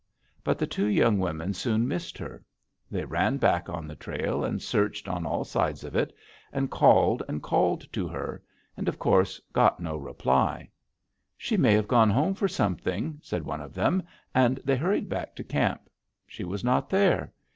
"But the two young women soon missed her. They ran back on the trail, and searched on all sides of it, and called and called to her, and of course got no reply: 'She may have gone home for something,' said one of them, and they hurried back to camp. She was not there.